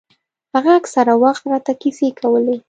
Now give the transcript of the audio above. هغه اکثره وخت راته کيسې کولې.